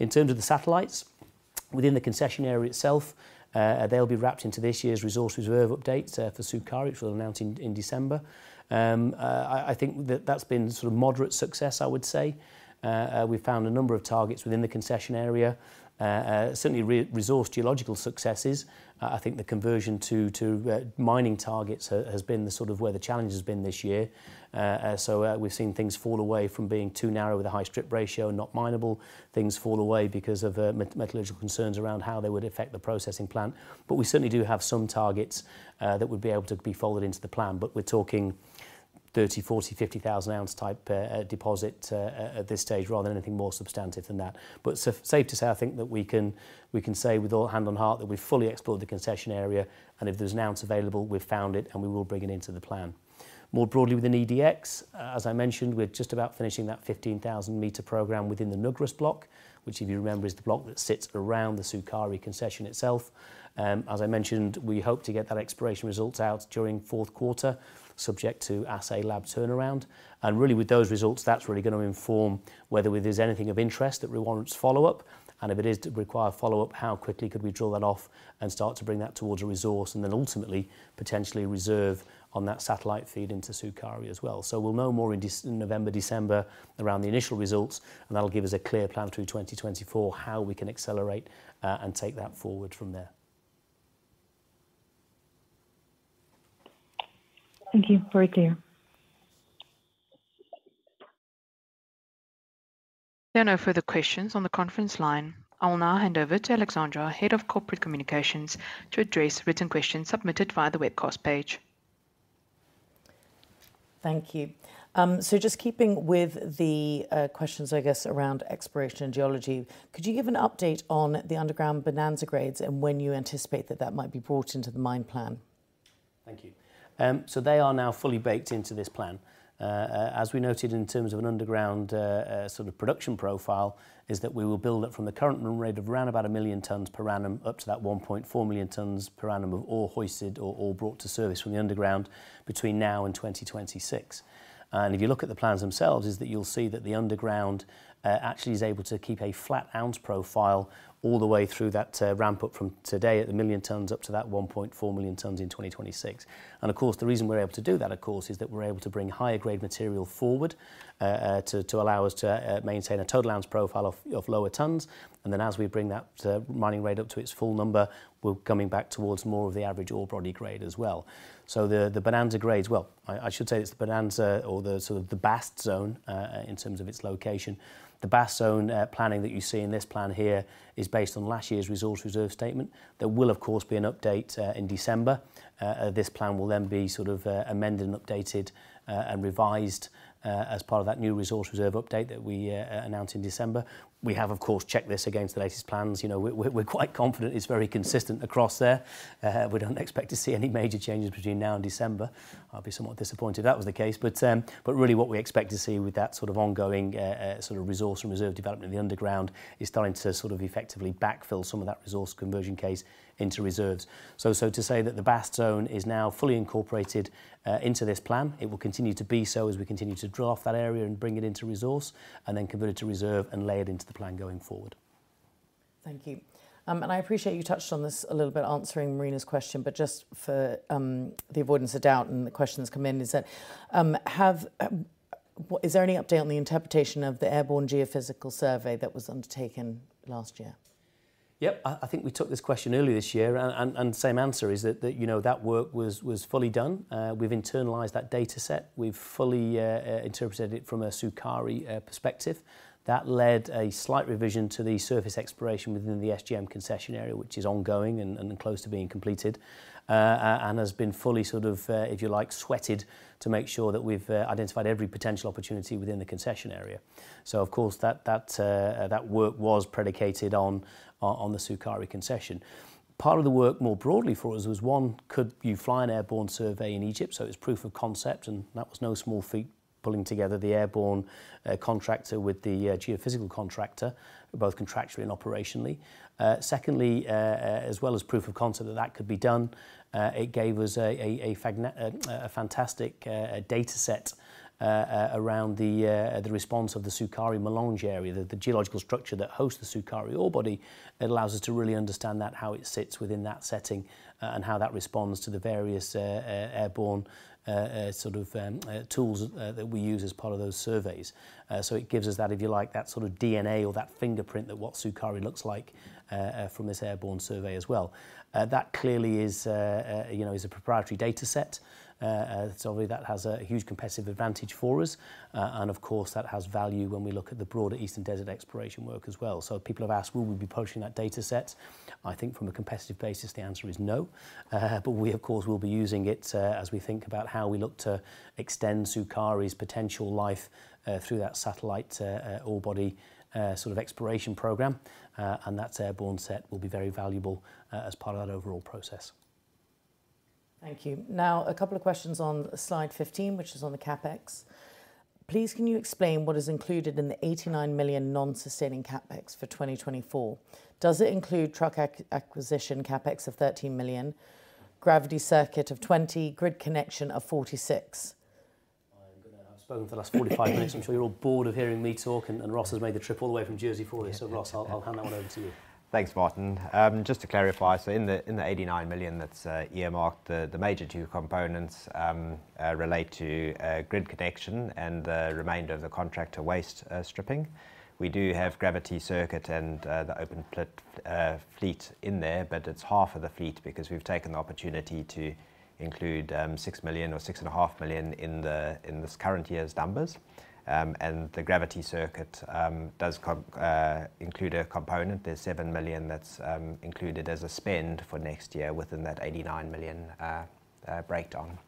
In terms of the satellites-... Within the concession area itself, they'll be wrapped into this year's resource reserve update for Sukari, which we'll announce in December. I think that's been sort of moderate success, I would say. We've found a number of targets within the concession area. Certainly resource geological successes. I think the conversion to mining targets has been the sort of where the challenge has been this year. So, we've seen things fall away from being too narrow with a high strip ratio and not mineable. Things fall away because of metallurgical concerns around how they would affect the processing plant. But we certainly do have some targets that would be able to be folded into the plan. But we're talking 30,000-50,000 ounce type deposit at this stage, rather than anything more substantive than that. But so safe to say, I think, that we can say with all hand on heart that we've fully explored the concession area, and if there's an ounce available, we've found it, and we will bring it into the plan. More broadly, within EDX, as I mentioned, we're just about finishing that 15,000-meter program within the Nugrus block, which, if you remember, is the block that sits around the Sukari concession itself. As I mentioned, we hope to get that exploration results out during Q4, subject to assay lab turnaround. Really, with those results, that's really gonna inform whether there's anything of interest that warrants follow-up, and if it is to require follow-up, how quickly could we drill that off and start to bring that towards a resource, and then ultimately, potentially a reserve on that satellite feed into Sukari as well. We'll know more in Dec. November, December around the initial results, and that'll give us a clear plan through 2024, how we can accelerate, and take that forward from there. Thank you. Very clear. There are no further questions on the conference line. I will now hand over to Alexandra, Head of Corporate Communications, to address written questions submitted via the webcast page. Thank you. So just keeping with the questions, I guess, around exploration and geology, could you give an update on the underground bonanza grades and when you anticipate that that might be brought into the mine plan? Thank you. So they are now fully baked into this plan. As we noted, in terms of an underground, sort of production profile, is that we will build it from the current run rate of around about 1 million tonnes per annum, up to that 1.4 million tonnes per annum of ore hoisted or, or brought to service from the underground between now and 2026. And if you look at the plans themselves, is that you'll see that the underground, actually is able to keep a flat ounce profile all the way through that, ramp up from today at the 1 million tonnes up to that 1.4 million tonnes in 2026. And of course, the reason we're able to do that, of course, is that we're able to bring higher grade material forward, to allow us to maintain a total ounce profile of lower tonnes. And then, as we bring that mining rate up to its full number, we're coming back towards more of the average ore body grade as well. So the bonanza grades... Well, I should say it's the bonanza or the sort of the Bast Zone, in terms of its location. The Bast Zone planning that you see in this plan here is based on last year's resource reserve statement. There will, of course, be an update, in December. This plan will then be sort of amended and updated and revised as part of that new resource reserve update that we announce in December. We have, of course, checked this against the latest plans. You know, we're quite confident it's very consistent across there. We don't expect to see any major changes between now and December. I'd be somewhat disappointed if that was the case. But really, what we expect to see with that sort of ongoing sort of resource and reserve development in the underground, is starting to sort of effectively backfill some of that resource conversion case into reserves. So, to say that the Bast Zone is now fully incorporated into this plan, it will continue to be so as we continue to draft that area and bring it into resource, and then convert it to reserve and lay it into the plan going forward. Thank you. And I appreciate you touched on this a little bit answering Marina's question, but just for the avoidance of doubt and the questions come in, is there any update on the interpretation of the airborne geophysical survey that was undertaken last year? Yep. I think we took this question earlier this year, and the same answer is that, you know, that work was fully done. We've internalized that data set. We've fully interpreted it from a Sukari perspective. That led a slight revision to the surface exploration within the SGM concession area, which is ongoing and close to being completed. And has been fully sort of, if you like, sweated, to make sure that we've identified every potential opportunity within the concession area. So of course, that work was predicated on the Sukari concession. Part of the work, more broadly for us, was one, could you fly an airborne survey in Egypt? So it was proof of concept, and that was no small feat, pulling together the airborne contractor with the geophysical contractor, both contractually and operationally. Secondly, as well as proof of concept that that could be done, it gave us a fantastic data set around the response of the Sukari monzogranite area, the geological structure that hosts the Sukari ore body. It allows us to really understand that, how it sits within that setting, and how that responds to the various airborne sort of tools that we use as part of those surveys. So it gives us that, if you like, that sort of DNA or that fingerprint that what Sukari looks like from this airborne survey as well. That clearly is, you know, a proprietary data set. So obviously, that has a huge competitive advantage for us. And of course, that has value when we look at the broader Eastern Desert exploration work as well. So people have asked, will we be publishing that data set? I think from a competitive basis, the answer is no. But we, of course, will be using it, as we think about how we look to extend Sukari's potential life, through that satellite ore body sort of exploration program. And that airborne set will be very valuable, as part of that overall process. Thank you. Now, a couple of questions on slide 15, which is on the CapEx. Please, can you explain what is included in the $89 million non-sustaining CapEx for 2024? Does it include truck acquisition CapEx of $13 million, gravity circuit of $20 million, grid connection of $46 million?... I've spoken for the last 45 minutes. I'm sure you're all bored of hearing me talk, and, and Ross has made the trip all the way from Jersey for this. So Ross, I'll, I'll hand that one over to you. Thanks, Martin. Just to clarify, so in the $89 million that's earmarked, the major two components relate to grid connection and the remainder of the contract to waste stripping. We do have gravity circuit and the open pit fleet in there, but it's half of the fleet because we've taken the opportunity to include $6 million or $6.5 million in this current year's numbers. And the gravity circuit does include a component. There's $7 million that's included as a spend for next year within that $89 million breakdown.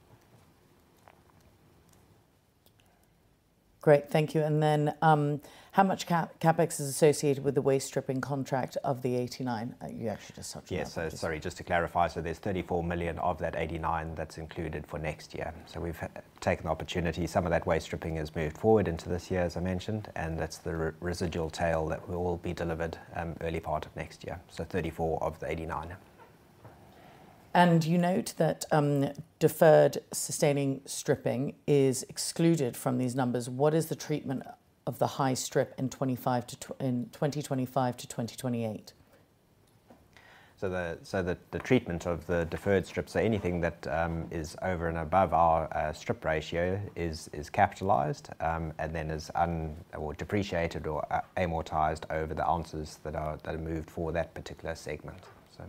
Great. Thank you. And then, how much CapEx is associated with the waste stripping contract of the $89? You actually just touched on that. Yeah, so sorry, just to clarify, so there's $34 million of that $89 million that's included for next year. So we've taken the opportunity. Some of that waste stripping has moved forward into this year, as I mentioned, and that's the residual tail that will all be delivered early part of next year. So $34 million of the $89 million. You note that deferred sustaining stripping is excluded from these numbers. What is the treatment of the high strip in 2025-2028? So the treatment of the deferred strip, so anything that is over and above our Strip Ratio is capitalized, and then is amortized over the ounces that are moved for that particular segment. So-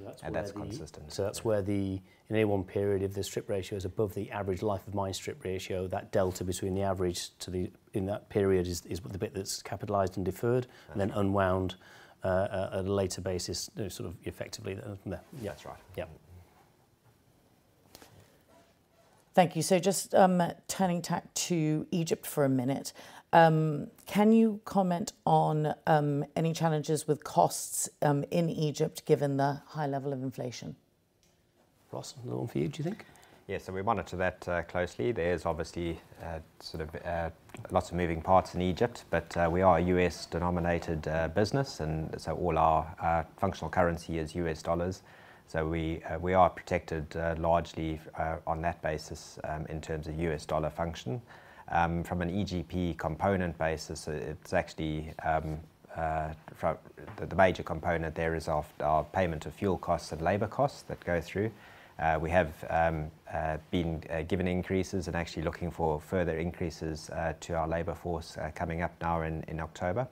So that's where the- That's consistent.... So that's where the, in A1 period, if the strip ratio is above the average life of mine strip ratio, that delta between the average to the, in that period is the bit that's capitalized and deferred- Okay... and then unwound at a later basis, sort of effectively then. Yeah. That's right. Yeah. Thank you. So just turning back to Egypt for a minute. Can you comment on any challenges with costs in Egypt, given the high level of inflation? Ross, another one for you, do you think? Yeah, so we monitor that closely. There's obviously sort of lots of moving parts in Egypt, but we are a US-denominated business, and so all our functional currency is US dollars. So we are protected largely on that basis in terms of US dollar function. From an EGP component basis, it's actually from the major component there is of our payment of fuel costs and labor costs that go through. We have been given increases and actually looking for further increases to our labor force coming up now in October.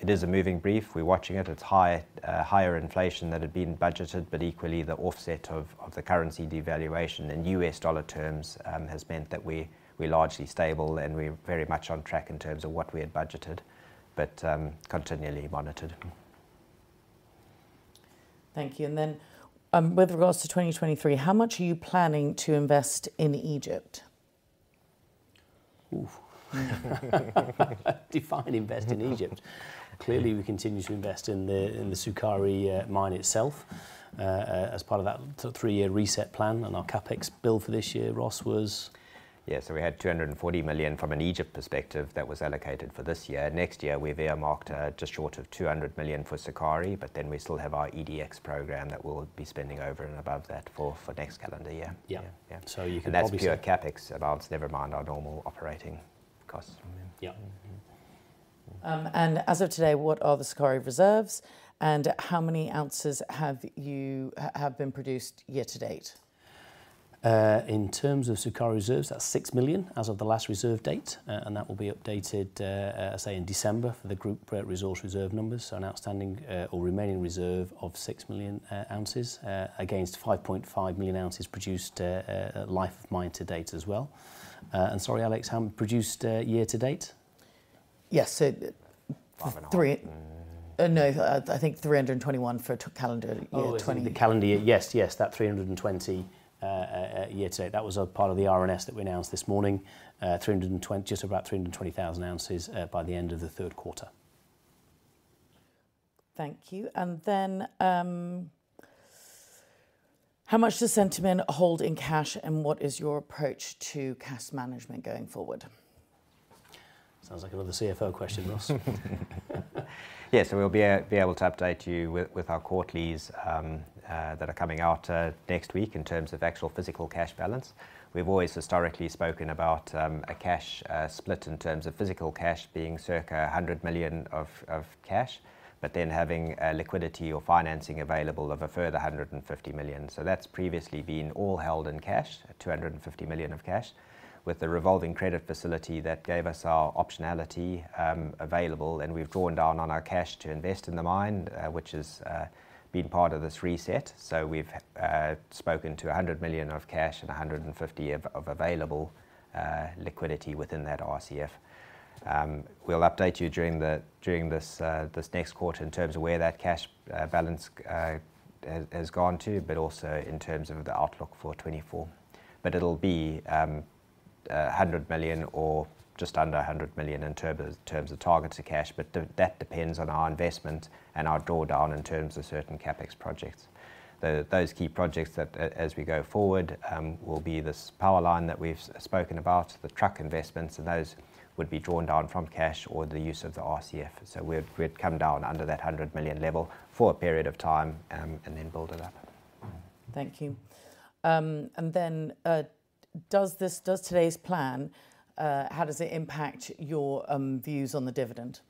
It is a moving brief. We're watching it. It's higher inflation than had been budgeted, but equally, the offset of the currency devaluation in US dollar terms has meant that we're largely stable, and we're very much on track in terms of what we had budgeted, but continually monitored. Thank you. And then, with regards to 2023, how much are you planning to invest in Egypt? Oof. Define invest in Egypt. Clearly, we continue to invest in the Sukari mine itself as part of that three-year reset plan, and our CapEx build for this year, Ross, was? Yeah, so we had $240 million from an Egypt perspective that was allocated for this year. Next year, we've earmarked just short of $200 million for Sukari, but then we still have our EDX program that we'll be spending over and above that for next calendar year. Yeah. Yeah. You can obviously- That's pure CapEx amounts, never mind our normal operating costs. Yeah. -Mmhmm. And as of today, what are the Sukari reserves, and how many ounces have been produced year to date? In terms of Sukari reserves, that's 6 million as of the last reserve date, and that will be updated, say, in December for the group resource reserve numbers. So an outstanding, or remaining reserve of 6 million ounces, against 5.5 million ounces produced, life of mine to date as well. And sorry, Alex, produced, year to date? Yes, so- 5.5... three. No, I think 321 for the calendar year twenty- Oh, the calendar year. Yes, yes, that 320, year to date. That was a part of the RNS that we announced this morning. 320, just about 320,000 ounces, by the end of the Q3. Thank you. And then, how much does Centamin hold in cash, and what is your approach to cash management going forward? Sounds like another CFO question, Ross. Yeah, so we'll be able to update you with our quarterlies that are coming out next week in terms of actual physical cash balance. We've always historically spoken about a cash split in terms of physical cash being circa $100 million of cash, but then having liquidity or financing available of a further $150 million. So that's previously been all held in cash, $250 million of cash, with the revolving credit facility that gave us our optionality available, and we've drawn down on our cash to invest in the mine, which has been part of this reset. So we've spoken to $100 million of cash and $150 million of available liquidity within that RCF. We'll update you during this next quarter in terms of where that cash balance has gone to, but also in terms of the outlook for 2024. But it'll be a hundred million or just under a hundred million in terms of targets of cash, but that depends on our investment and our draw down in terms of certain CapEx projects. Those key projects that as we go forward will be this power line that we've spoken about, the truck investments, and those would be drawn down from cash or the use of the RCF. So we'd come down under that hundred million level for a period of time, and then build it up.... Thank you. And then, does this, does today's plan, how does it impact your views on the dividend?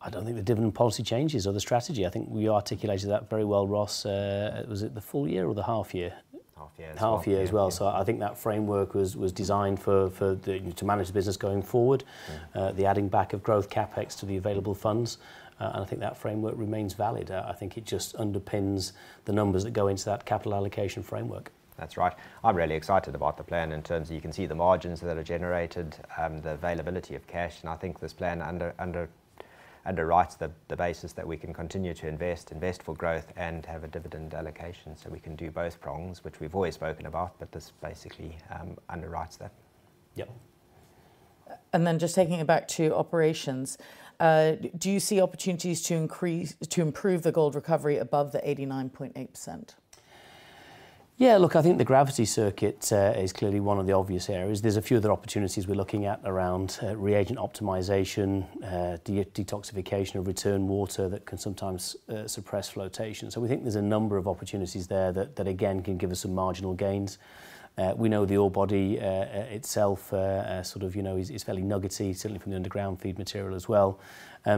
I don't think the dividend policy changes or the strategy. I think we articulated that very well, Ross. Was it the full year or the half year? Half year. Half year as well. So I think that framework was designed for the to manage the business going forward. Yeah. The adding back of growth CapEx to the available funds, and I think that framework remains valid. I think it just underpins the numbers that go into that capital allocation framework. That's right. I'm really excited about the plan in terms of you can see the margins that are generated, the availability of cash, and I think this plan underwrites the basis that we can continue to invest for growth and have a dividend allocation. So we can do both prongs, which we've always spoken about, but this basically underwrites that. Yep. Just taking it back to operations, do you see opportunities to improve the gold recovery above the 89.8%? Yeah, look, I think the gravity circuit is clearly one of the obvious areas. There's a few other opportunities we're looking at around reagent optimization, detoxification of return water that can sometimes suppress flotation. So we think there's a number of opportunities there that again can give us some marginal gains. We know the ore body itself sort of, you know, is fairly nuggety, certainly from the underground feed material as well.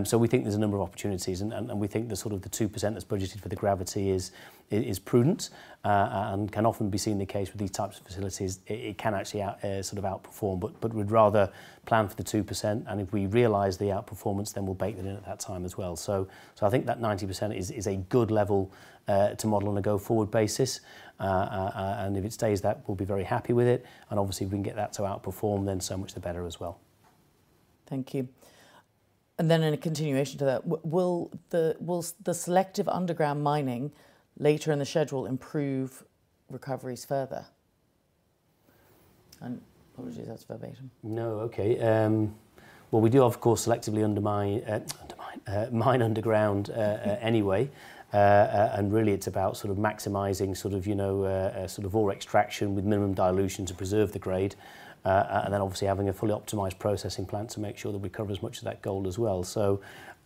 So we think there's a number of opportunities, and we think the sort of the 2% that's budgeted for the gravity is prudent, and can often be seen in the case with these types of facilities. It can actually sort of outperform, but we'd rather plan for the 2%, and if we realize the outperformance, then we'll bake that in at that time as well. So I think that 90% is a good level to model on a go-forward basis, and if it stays that, we'll be very happy with it, and obviously, if we can get that to outperform, then so much the better as well. Thank you. And then in a continuation to that, will the selective underground mining later in the schedule improve recoveries further? And apologies, that's verbatim. No. Okay. Well, we do, of course, selectively undermine, undermine, mine underground, anyway. And really it's about sort of maximising sort of, you know, sort of ore extraction with minimum dilution to preserve the grade, and then obviously having a fully optimised processing plant to make sure that we cover as much of that gold as well.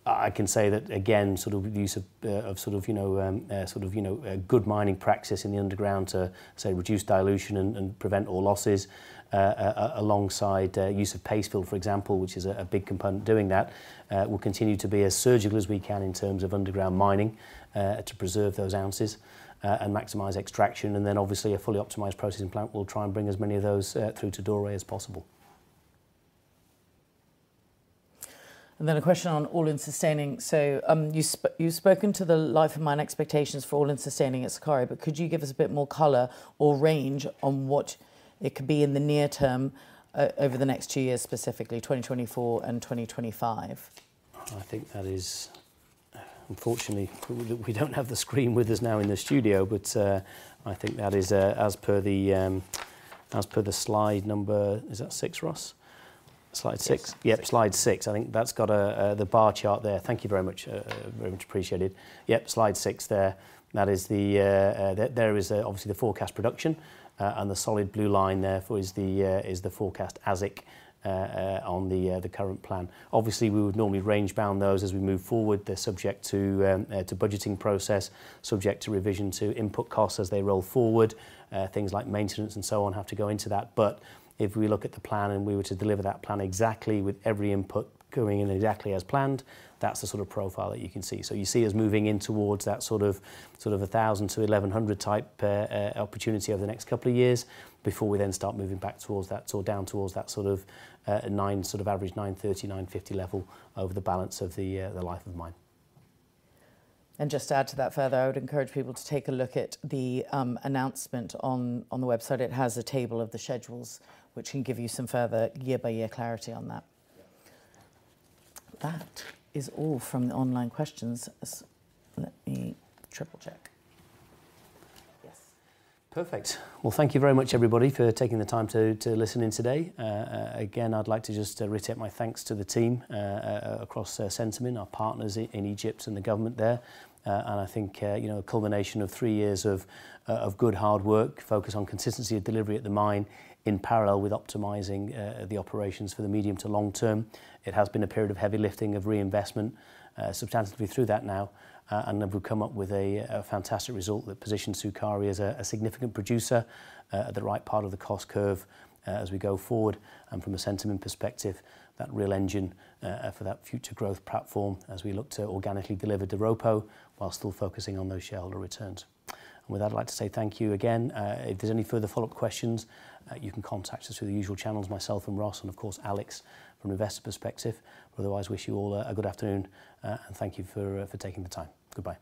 I can say that, again, sort of use of, of sort of, you know, sort of, you know, good mining practice in the underground to, say, reduce dilution and, and prevent ore losses, alongside use of paste fill, for example, which is a, a big component of doing that. We'll continue to be as surgical as we can in terms of underground mining, to preserve those ounces, and maximize extraction, and then obviously, a fully optimized processing plant will try and bring as many of those through to doré as possible. And then a question on all-in sustaining. So, you've spoken to the life of mine expectations for all-in sustaining at Sukari, but could you give us a bit more color or range on what it could be in the near term, over the next two years, specifically, 2024 and 2025? I think that is, unfortunately, we don't have the screen with us now in the studio, but I think that is as per the slide number, is that 6, Ross? Slide 6. Yes. Yep, slide six. I think that's got the bar chart there. Thank you very much. Very much appreciated. Yep, slide six there. That is the forecast production, and the solid blue line there for is the forecast AISC on the current plan. Obviously, we would normally range-bound those as we move forward. They're subject to the budgeting process, subject to revision, to input costs as they roll forward. Things like maintenance and so on have to go into that. But if we look at the plan and we were to deliver that plan exactly with every input going in exactly as planned, that's the sort of profile that you can see. So you see us moving in towards that sort of, sort of a $1,000-$1,100 type opportunity over the next couple of years, before we then start moving back towards that or down towards that sort of nine, sort of average $930-$950 level over the balance of the life of mine. Just to add to that further, I would encourage people to take a look at the announcement on the website. It has a table of the schedules, which can give you some further year-by-year clarity on that. Yeah. That is all from the online questions. Let me triple-check. Yes. Perfect. Well, thank you very much, everybody, for taking the time to listen in today. Again, I'd like to just reiterate my thanks to the team across Centamin, our partners in Egypt and the government there. And I think, you know, a culmination of three years of good, hard work, focused on consistency of delivery at the mine, in parallel with optimizing the operations for the medium to long term. It has been a period of heavy lifting, of reinvestment, substantially through that now, and we've come up with a fantastic result that positions Sukari as a significant producer at the right part of the cost curve, as we go forward. From a Centamin perspective, that real engine for that future growth platform as we look to organically deliver the Doropo, while still focusing on those shareholder returns. With that, I'd like to say thank you again. If there's any further follow-up questions, you can contact us through the usual channels, myself and Ross, and of course, Alex, from an investor perspective. Otherwise, wish you all a good afternoon, and thank you for taking the time. Goodbye.